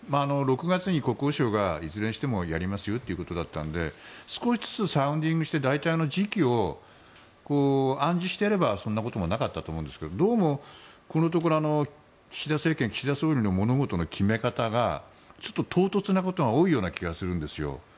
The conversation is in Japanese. ６月に国交省が、いずれにしてもやりますよということだったので少しずつサウンディングして大体の時期を暗示していればそんなこともなかったと思うんですがどうもここのところ岸田総理、岸田政権の物事の決め方がちょっと唐突なことが多い気がするんですよ。